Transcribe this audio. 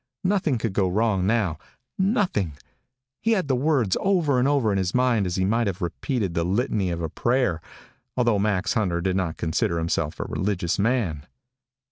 Nothing could go wrong now, nothing! He said the words over in his mind as he might have repeated the litany of a prayer, although Max Hunter did not consider himself a religious man.